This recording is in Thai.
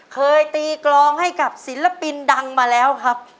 เคยตีกรองให้กับศิลปินดังมาแล้วครับ